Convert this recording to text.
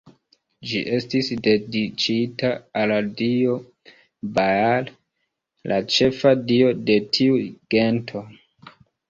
Ĝi estis dediĉita al la dio Baal, la ĉefa dio de tiu gento.